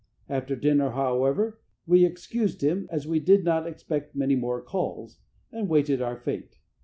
After dinner, however, we excused him, as we did not expect many more calls, and waited our fate.